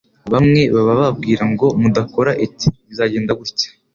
bamwe baba bababwira ngo nudakora iki bizagenda gutya